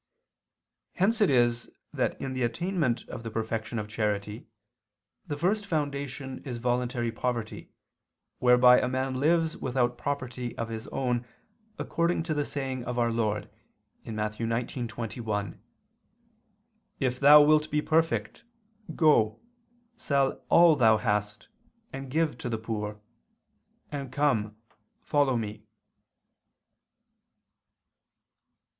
Hence it is that in the attainment of the perfection of charity the first foundation is voluntary poverty, whereby a man lives without property of his own, according to the saying of our Lord (Matt. 19:21), "If thou wilt be perfect, go, sell all [Vulg.: 'what'] thou hast, and give to the poor ... and come, follow Me."